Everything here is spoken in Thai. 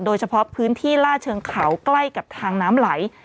โดยเฉพาะพื้นที่ล่าเชิงเขาใกล้กับทางน้ำไหล